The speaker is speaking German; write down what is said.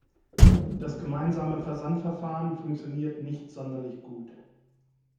Das gemeinsame Versandverfahren funktioniert nicht sonderlich gut.